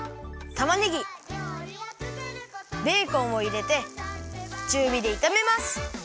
たまねぎベーコンをいれてちゅうびでいためます。